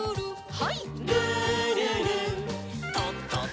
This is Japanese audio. はい。